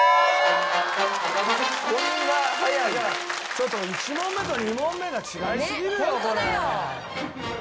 ちょっと１問目と２問目が違いすぎるよこれ。